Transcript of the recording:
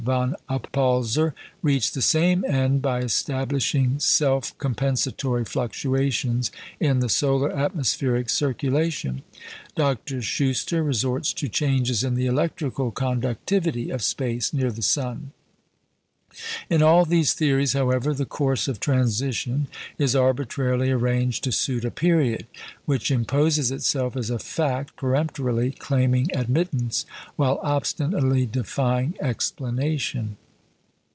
von Oppolzer reach the same end by establishing self compensatory fluctuations in the solar atmospheric circulation; Dr. Schuster resorts to changes in the electrical conductivity of space near the sun. In all these theories, however, the course of transition is arbitrarily arranged to suit a period, which imposes itself as a fact peremptorily claiming admittance, while obstinately defying explanation.